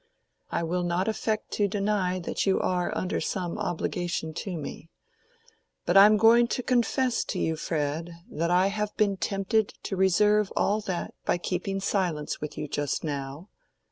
"I will not affect to deny that you are under some obligation to me. But I am going to confess to you, Fred, that I have been tempted to reverse all that by keeping silence with you just now.